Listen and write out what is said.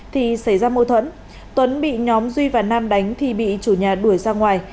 thì xảy ra mâu thuẫn bị nhóm duy và nam đánh thì bị chủ nhà đuổi ra ngoài